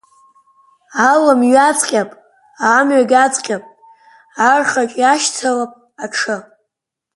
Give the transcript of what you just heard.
Алым ҩаҵҟьап, амҩагь ацҟьап, архаҿ иашьҭалап аҽы.